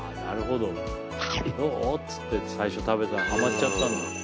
どうっつって最初食べたらハマっちゃったんだ。